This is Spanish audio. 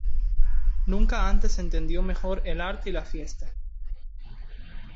Nunca antes se entendió mejor el arte y la fiesta.